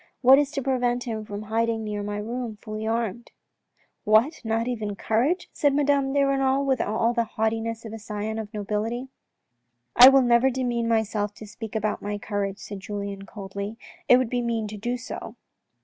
What is to prevent him from hiding near my room fully armed ?"" What, not even courage ?" said Madame de Renal, with all the haughtiness of a scion of nobility. " I will never demean myself to speak about my courage," said Julien, coldly, " it would be mean to do so.